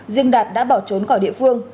riêng đạt đã bỏ trốn khỏi địa phương